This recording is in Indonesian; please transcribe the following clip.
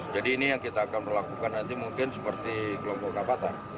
jadi ini yang kita akan melakukan nanti mungkin seperti kelompok kapal